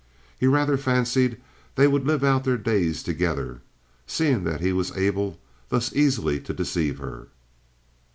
He rather fancied they would live out their days together, seeing that he was able thus easily to deceive her.